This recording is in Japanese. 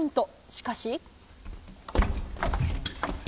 しかし。